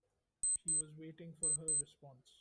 She was waiting for her response.